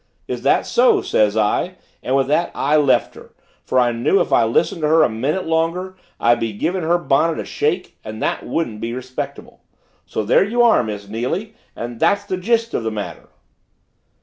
'Is that so?' says I and with that I left her, for I knew if I listened to her a minute longer I'd be giving her bonnet a shake and that wouldn't be respectable. So there you are, Miss Neily, and that's the gist of the matter."